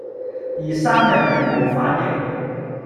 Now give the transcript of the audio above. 而生人並無反應，